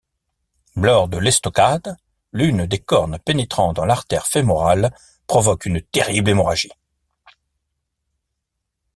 Lors de l’estocade, l'une des cornes pénétrant dans l'artère fémorale provoque une terrible hémorragie.